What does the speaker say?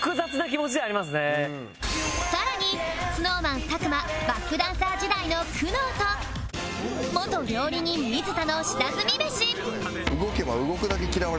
さらに ＳｎｏｗＭａｎ 佐久間バックダンサー時代の苦悩と元料理人水田の下積みメシ